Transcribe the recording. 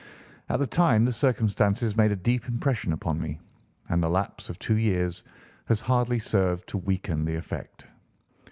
At the time the circumstances made a deep impression upon me, and the lapse of two years has hardly served to weaken the effect.